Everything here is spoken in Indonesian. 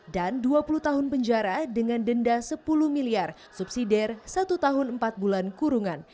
dan dua puluh tahun penjara dengan denda sepuluh miliar subsidi satu tahun empat bulan kurungan